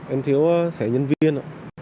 em thiếu sẻ nhân viên